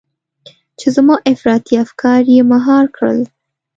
چې زما افراطي افکار يې مهار کړل.